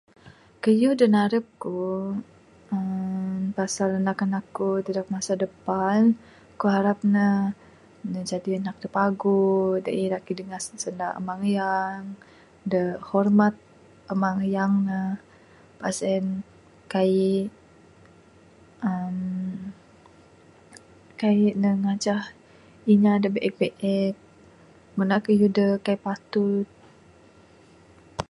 Kayuh da narap kuk, uhh pasal bala anak anak kuk, deg masa depan, ku harap ne, ne jadi anak da paguh, da irak kidingah sanda amang ayang. Da hormat amang ayang ne. Mbuh sien kai uhh kai ne ngajah inya da bi'ek biek, ngundah kayuh da kai patut.